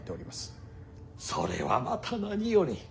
それはまた何より。